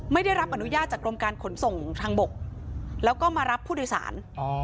ไม่ได้รับอนุญาตจากกรมการขนส่งทางบกแล้วก็มารับผู้โดยสาร